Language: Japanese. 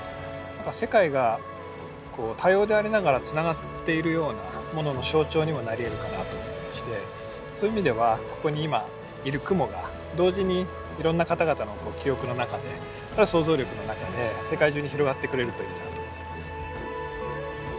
世界が多様でありながらつながっているようなものの象徴にもなりえるかなと思ってましてそういう意味ではここに今いる雲が同時にいろんな方々の記憶の中で想像力の中で世界中に広がってくれるといいなと思ってます。